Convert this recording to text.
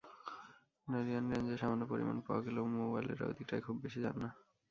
নলিয়ান রেঞ্জে সামান্য পরিমাণে পাওয়া গেলেও মৌয়ালেরা ওদিকটায় খুব বেশি যান না।